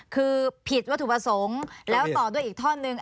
คือผิดวัตถุประสงค์แล้วต่อด้วยอีกท่อนหนึ่ง